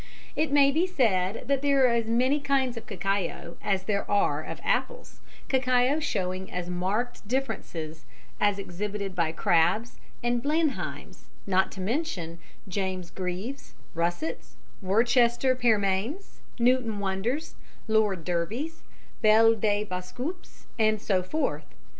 It may be said that there are as many kinds of cacao as there are of apples, cacao showing as marked differences as exhibited by crabs and Blenheims, not to mention James Grieves, Russets, Worcester Pearmains, Newton Wonders, Lord Derbys, Belle de Boskoops, and so forth.